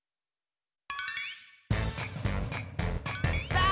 さあ！